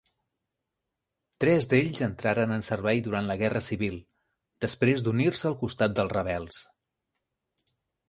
Tres d'ells entraren en servei durant la Guerra Civil després d'unir-se al costat dels rebels.